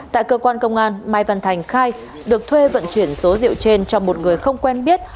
tại cơ quan công an mai văn thành khai được thuê vận chuyển số rượu trên cho một người không quen biết